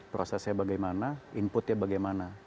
prosesnya bagaimana inputnya bagaimana